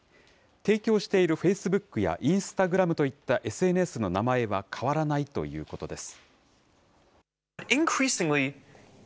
提供しているフェイスブックやインスタグラムといったＳＮＳの名前は変わらないということです。